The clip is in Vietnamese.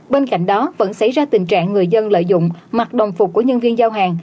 bên cạnh đó vẫn xảy ra tình trạng người dân lợi dụng mặc đồng phục của nhân viên giao hàng